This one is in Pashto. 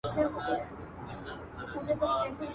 ډبره چي پر ځاى پرته وي سنگينه ده.